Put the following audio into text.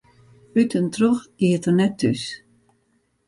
Ut en troch iet er net thús.